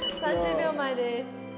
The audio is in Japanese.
３０秒前です。